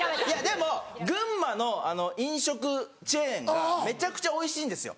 でも群馬の飲食チェーンがめちゃくちゃおいしいんですよ。